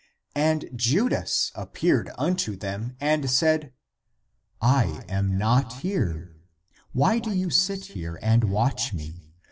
And Judas appeared un to them and said, " I am not here.^ Why do you sit here and watch me?